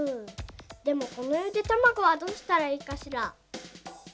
でもこのゆでたまごはどうしたらいいかしら。